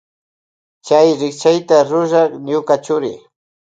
Chay rikchayta rurak ñuka churi.